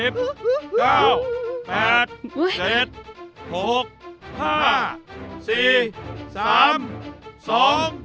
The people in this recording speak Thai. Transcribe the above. ไม่ไหว